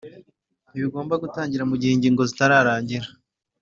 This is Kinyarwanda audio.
ntibigomba gutangira mu gihe inyigo zitararangira